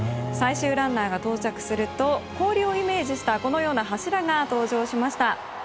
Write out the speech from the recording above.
最終ランナーが到着すると氷をイメージしたこのような柱が登場しました。